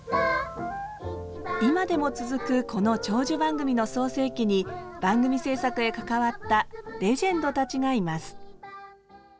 今でも続くこの長寿番組の創成期に番組制作へ関わったレジェンドたちがいます。